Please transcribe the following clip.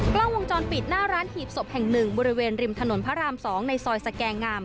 กล้องวงจรปิดหน้าร้านหีบศพแห่ง๑บริเวณริมถนนพระราม๒ในซอยสแกงาม